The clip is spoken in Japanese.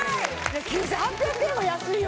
９８００円は安いよ